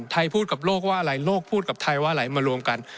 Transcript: พูดกับโลกว่าอะไรโลกพูดกับไทยว่าอะไรมารวมกัน